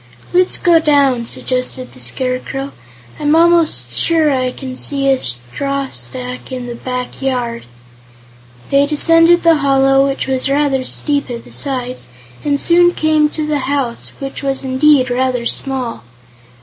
"Let's go down," suggested the Scarecrow. "I'm almost sure I can see a straw stack in the back yard." They descended the hollow, which was rather steep at the sides, and soon came to the house, which was indeed rather small.